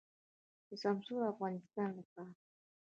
د سمسور افغانستان لپاره.